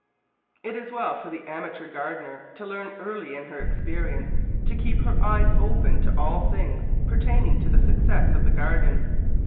It is well for the amateur gardener to learn early in her experience to keep her eyes open to all things pertaining to the success of the garden.